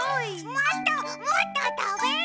もっともっとたべる！